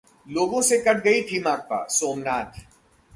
लोगों से कट गई थी माकपा: सोमनाथ